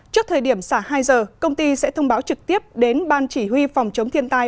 trước thời điểm xả hai giờ công ty sẽ thông báo trực tiếp đến ban chỉ huy phòng chống thiên tai